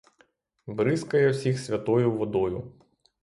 Бризкає всіх святою водою.